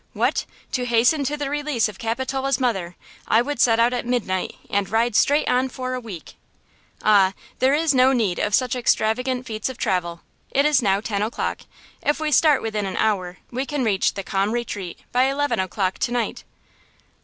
What! To hasten to the release of Capitola's mother, I would set out at midnight and ride straight on for a week!" "Ah! there is no need of such extravagant feats of travel. It is now ten o'clock; if we start within an hour we can reach the 'Calm Retreat' by eleven o'clock to night."